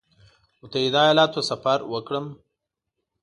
متحده ایالاتو ته سفر وکړم.